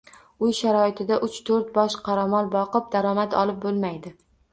Uy sharoitida uch-to‘rt bosh qoramol boqib daromad olib bo‘lmaydi